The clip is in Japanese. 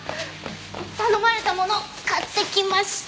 頼まれたもの買ってきました。